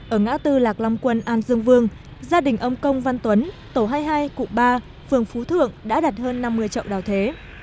ở ngã tư lạc long quân an dương vương gia đình ông công văn tuấn tổ hai mươi hai cụm ba phường phú thượng đã đặt hơn năm mươi trậu đào thế